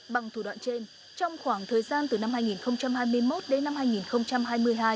bằng thủ đoạn trên trong khoảng thời gian từ năm hai nghìn hai mươi một đến năm hai nghìn hai mươi hai